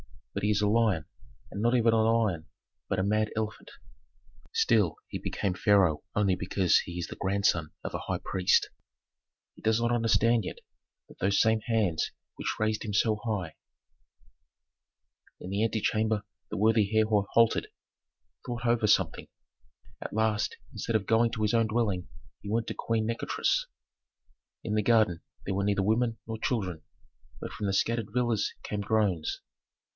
But he is a lion, and not even a lion, but a mad elephant. Still he became pharaoh only because he is the grandson of a high priest. He does not understand yet that those same hands which raised him so high " In the antechamber the worthy Herhor halted, thought over something; at last instead of going to his own dwelling he went to Queen Nikotris. In the garden there were neither women nor children, but from the scattered villas came groans.